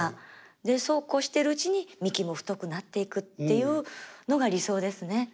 でそうこうしているうちに幹も太くなっていくっていうのが理想ですね。